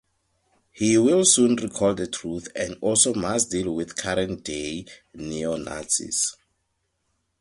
He will soon recall the truth and also must deal with current-day Neo-Nazis.